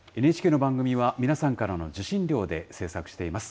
ＮＨＫの番組は、皆さんからの受信料で制作しています。